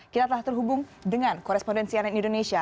kita telah terhubung dengan korespondensi ann indonesia